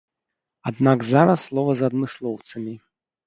Аднак зараз слова за адмыслоўцамі.